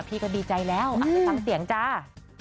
พี่ก็ดีใจแล้วไปฟังเสียงจ้า